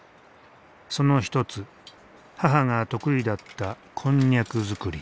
その一つ母が得意だったこんにゃく作り。